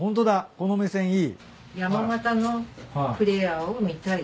この目線いい。